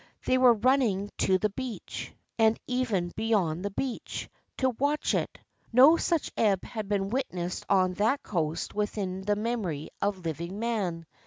They were running to the beach, and even beyond the beach, to watch it. No such ebb had been witnessed on that coast within the memory of living man.